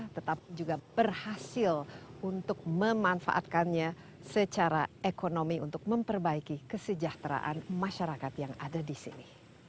tetap juga berhasil untuk memanfaatkannya secara ekonomi untuk memperbaiki kesejahteraan masyarakat yang ada di sini